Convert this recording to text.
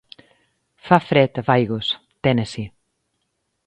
fa fred a Vigus, Tennessee